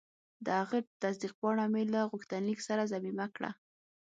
د هغه تصدیق پاڼه مې له غوښتنلیک سره ضمیمه کړه.